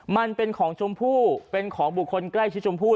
มันเป็นของชมพู่เป็นของบุคคลใกล้ชิดชมพู่